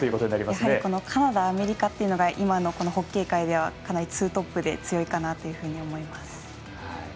やはり、カナダアメリカというのがホッケー界では、かなりツートップで強いかなと思います。